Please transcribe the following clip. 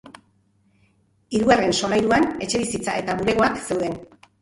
Hirugarren solairuan etxebizitza eta bulegoak zeuden.